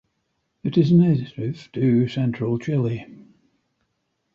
It is native to central Chile.